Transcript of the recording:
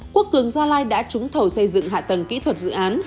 quốc cường gia lai đã trúng thầu xây dựng hạ tầng kỹ thuật dự án